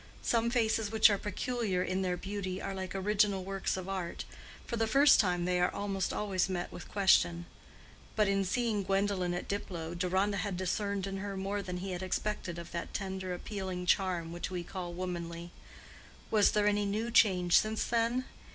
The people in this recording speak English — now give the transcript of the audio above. Some faces which are peculiar in their beauty are like original works of art: for the first time they are almost always met with question. But in seeing Gwendolen at Diplow, Deronda had discerned in her more than he had expected of that tender appealing charm which we call womanly. Was there any new change since then?